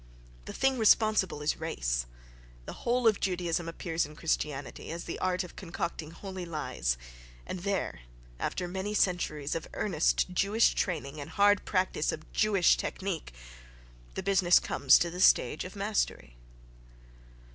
The thing responsible is race. The whole of Judaism appears in Christianity as the art of concocting holy lies, and there, after many centuries of earnest Jewish training and hard practice of Jewish technic, the business comes to the stage of mastery.